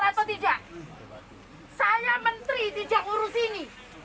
saya menteri tidak urus ini